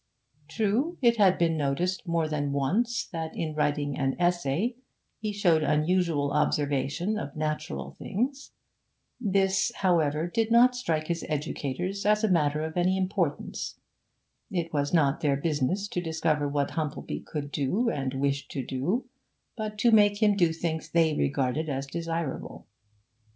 True, it had been noticed more than once that in writing an 'essay' he showed unusual observation of natural things; this, however, did not strike his educators as a matter of any importance; it was not their business to discover what Humplebee could do, and wished to do, but to make him do things they regarded as desirable.